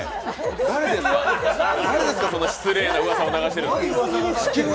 誰ですかそんな失礼なうわさを流してるのは！